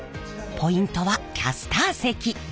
ポイントはキャスター席。